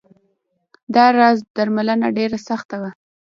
دا راز درملنه ډېره سخته وه.